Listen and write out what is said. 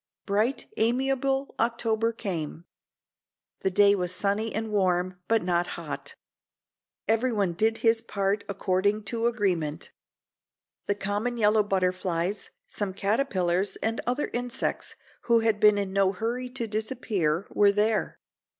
Bright, amiable October came. The day was sunny and warm, but not hot. Everyone did his part according to agreement. The common yellow butterflies, some caterpillars and other insects who had been in no hurry to disappear, were there.